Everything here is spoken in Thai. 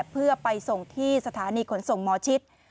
เพื่อไปส่งที่สถานีขนส่งหมอชิด